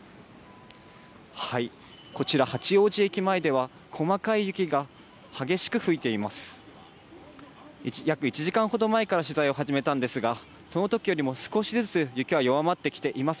こちら八王子駅前では、細かい雪が激しく降っています。